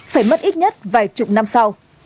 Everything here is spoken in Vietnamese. phải mất ít nhất vài chục năm sau